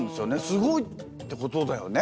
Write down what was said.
すごいってことだよね